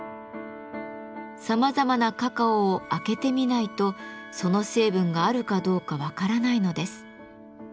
さまざまなカカオを開けてみないとその成分があるかどうか分からないのです。